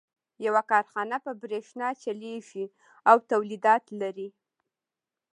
يوه کارخانه په برېښنا چلېږي او توليدات لري.